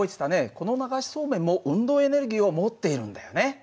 この流しそうめんも運動エネルギーを持っているんだよね。